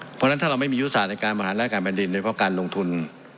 เพราะฉะนั้นถ้าเราไม่มียุทธศาสตร์ในการบริหารราชการแผ่นดินโดยเพราะการลงทุน